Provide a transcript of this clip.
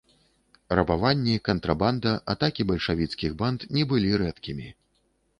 Рабаванні, кантрабанда, атакі бальшавіцкіх банд не былі рэдкімі.